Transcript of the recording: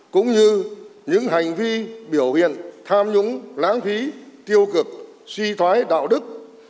cũng như những hành vi biểu hiện tham nhũng lãng phí tiêu cực suy thoái đạo đức